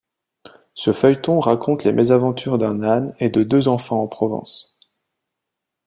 Ce feuilleton raconte les mésaventures d'un âne et de deux enfants en Provence.